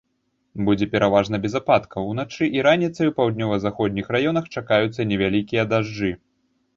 Будзе пераважна без ападкаў, уначы і раніцай у паўднёва-заходніх раёнах чакаюцца невялікія дажджы.